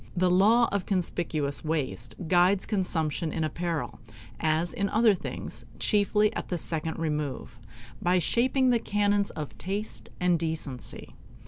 The law of conspicuous waste guides consumption in apparel, as in other things, chiefly at the second remove, by shaping the canons of taste and decency.